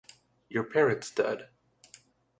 Your parrot's dead.